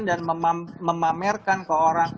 dan memamerkan ke orang